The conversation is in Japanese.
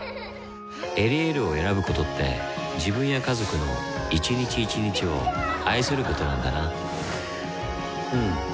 「エリエール」を選ぶことって自分や家族の一日一日を愛することなんだなうん。